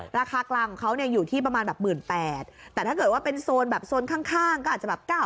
ราคากลางของเขาเนี่ยอยู่ที่ประมาณแบบ๑๘๐๐บาทแต่ถ้าเกิดว่าเป็นโซนแบบโซนข้างก็อาจจะแบบ๙๐๐